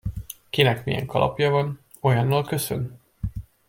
Kinek milyen kalapja van, olyannal köszön.